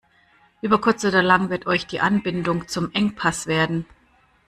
Über kurz oder lang wird euch die Anbindung zum Engpass werden.